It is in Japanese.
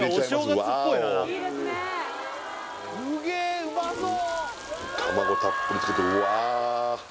ワーオ卵たっぷりつけてうわ